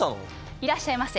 いらっしゃいませ！